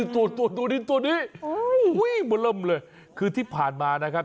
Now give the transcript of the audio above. ตัวตัวดินตัวนี้มาเริ่มเลยคือที่ผ่านมานะครับ